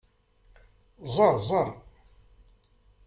Ẓeṛ ẓeṛ!